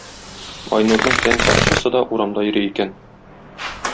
Айнурның тән сакчысы да урамда йөри икән.